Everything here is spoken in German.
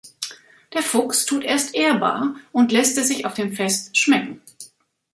Der Fuchs tut erst ehrbar und lässt es sich auf dem Fest schmecken.